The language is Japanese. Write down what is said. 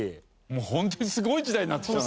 もうホントにすごい時代になってきたな。